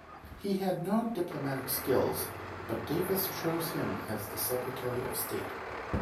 He had no diplomatic skills but Davis chose him as the Secretary of State.